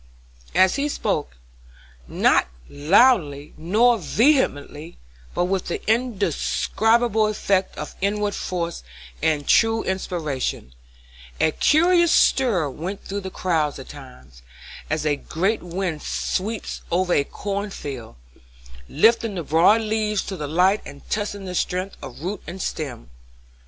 As he spoke, not loudly nor vehemently, but with the indescribable effect of inward force and true inspiration, a curious stir went through the crowd at times, as a great wind sweeps over a corn field, lifting the broad leaves to the light and testing the strength of root and stem.